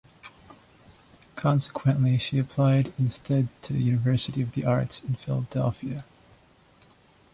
Consequently, she applied instead to the University of the Arts in Philadelphia.